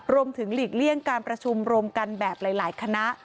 หลีกเลี่ยงการประชุมรวมกันแบบหลายคณะ